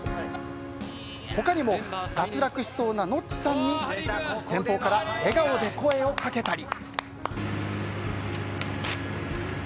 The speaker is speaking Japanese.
他にも脱落しそうなノッチさんに前方から笑顔で声をかけたり。